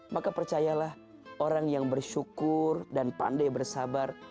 maka percayalah orang yang bersyukur dan pandai bersabar